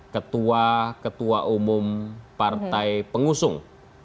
ketua ketua umum partai pengusung